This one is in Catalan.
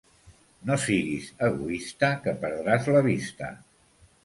No siguis egoista, que perdràs la vista.